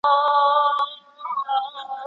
سپانده لوګی شه نظر مات د پرنګیو سترګو